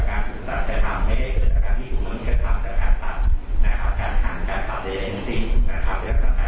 แค่นั้นของผู้ชมตอนนี้ต้องตอบว่าเรายังไม่มีแบบฐานอะไรที่ผมชี้ว่าเป็นลักษณะ